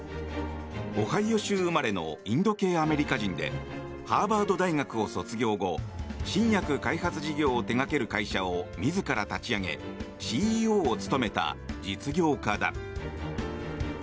オハイオ州生まれのインド系アメリカ人でハーバード大学を卒業後新薬開発事業を手掛ける会社を自ら立ち上げＣＥＯを務めた実業家だ。